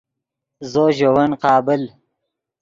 زو ژے ون قابل